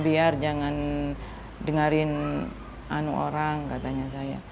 biar jangan dengarin anu orang katanya saya